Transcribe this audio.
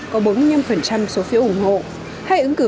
có bốn mươi năm số phiếu ủng hộ